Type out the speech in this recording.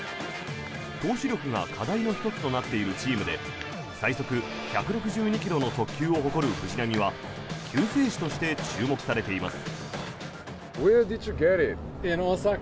投手力が課題の１つとなっているチームで最速１６２ｋｍの速球を誇る藤浪は救世主として注目されています。